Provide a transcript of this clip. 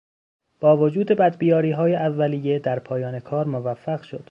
با وجود بدبیاریهای اولیه در پایان کار موفق شد.